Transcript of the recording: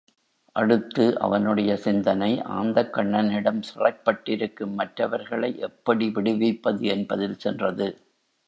அடுத்து அவனுடைய சிந்தனை ஆந்தைக்கண்ணனிடம் சிறைப்பட்டிருக்கும் மற்றவர்களை எப்படி விடுவிப்பது என்பதில் சென்றது.